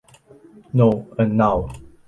No, and now!